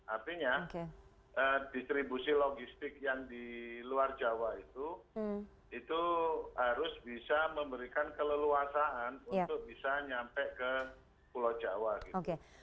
artinya distribusi logistik yang di luar jawa itu itu harus bisa memberikan keleluasaan untuk bisa nyampe ke pulau jawa gitu